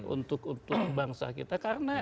untuk utuhan bangsa kita